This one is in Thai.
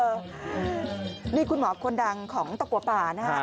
นี่คุณหมอคนดังของตะกัวป่านะฮะ